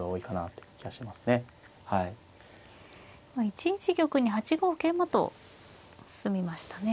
今１一玉に８五桂馬と進みましたね。